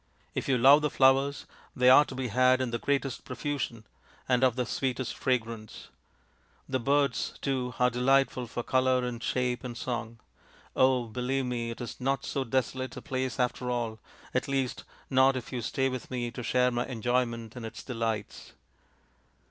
If you love the flowers they are to be had in the greatest profusion, and of the sweetest fragrance. The birds, too, are delightful for colour and shape and song. Oh, believe me, it is not 268 THE INDIAN STORY BOOK so desolate a place after all at least, not if you stay with me to share my enjoyment in its delights."